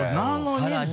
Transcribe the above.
さらに。